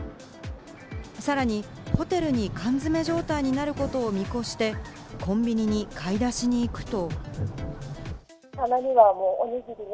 さらにホテルに缶詰状態になることを見越してコンビニに買い出しに行くと。